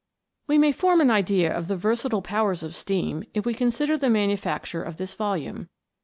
We may form an idea of the versatile powers of steam if we consider the manufacture of this volume.